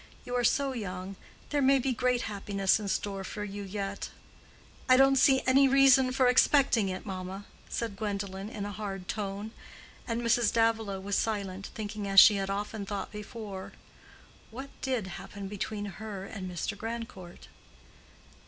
You are so young. There may be great happiness in store for you yet." "I don't see any reason for expecting it, mamma," said Gwendolen, in a hard tone; and Mrs. Davilow was silent, thinking as she had often thought before—"What did happen between her and Mr. Grandcourt?"